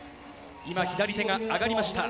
左手が上がりました。